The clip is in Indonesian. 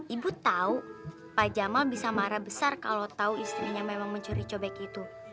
ibu tahu pak jamal bisa marah besar kalau tahu istrinya memang mencuri cobek itu